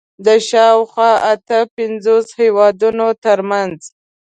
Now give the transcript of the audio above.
د شاوخوا اته پنځوس هېوادونو تر منځ